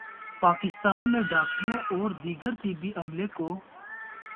پاکستان میں ڈاکٹروں اور دیگر طبی عملے کو